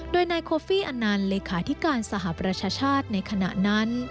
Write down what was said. โดยนายโคฟี่อันต์เลขาธิการสหประชาชาติในขณะนั้น